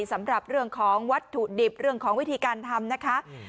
สำหรับเรื่องของวัตถุดิบเรื่องของวิธีการทำนะคะ